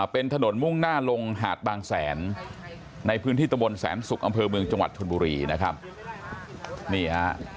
เป็นถนดมุ่งหน้าลงหาดบางแสนในพื้นที่ตำบลแสนสุขอำเภอจังหวัดถุนบุรี